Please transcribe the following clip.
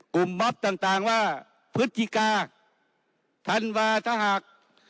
กลุ่มบ๊อบต่างว่าพฤติกาทันวาทหาก